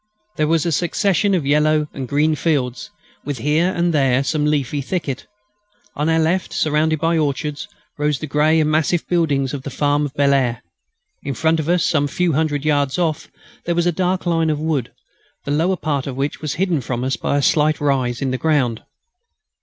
There was a succession of yellow or green fields, with here and there some leafy thicket. On our left, surrounded by orchards, rose the grey and massive buildings of the farm of Bel Air. In front of us, some few hundred yards off, there was a dark line of wood, the lower part of which was hidden from us by a slight rise in the ground.